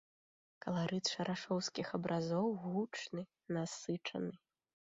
Каларыт шарашоўскіх абразоў гучны, насычаны.